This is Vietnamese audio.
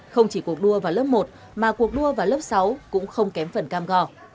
không chỉ cuộc đua vào lớp một mà cuộc đua vào lớp sáu cũng không kém phần cam go